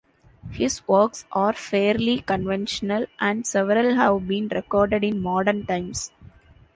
His works are fairly conventional, and several have been recorded in modern times.